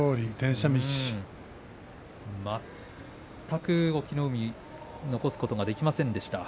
全く隠岐の海残すことができませんでした。